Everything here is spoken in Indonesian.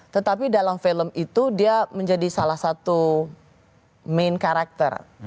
tetapi dalam film itu dia menjadi salah satu main karakter